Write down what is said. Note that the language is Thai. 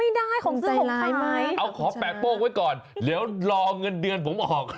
ไม่ได้ของซื้อของขายขอแปะโป้งไว้ก่อนเดี๋ยวรอเงินเดือนผมออก